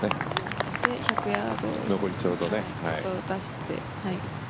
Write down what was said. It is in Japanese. １００ヤードちょっと出して。